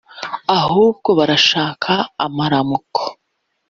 ahubwo barashaka amaramuko